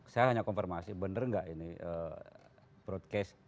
saya hanya konfirmasi bener gak ini broadcast